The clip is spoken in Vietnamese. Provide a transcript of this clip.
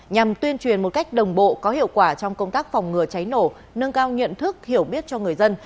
nhằm tuyên truyền một cách đồng bộ có hiệu quả trong công tác phòng ngừa cháy nổ nâng cao nhận thức hiểu biết cho người dân